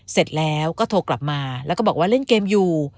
เสร็จแล้วก็โทรกลับมาแล้วก็บอกว่าเล่นเกมอยู่